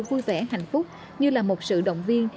vui vẻ hạnh phúc như là một sự động viên